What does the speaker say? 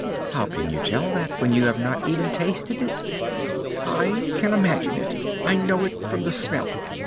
"How can you tell that, when you have not even tasted it?" "I can imagine it! I know it from the smell.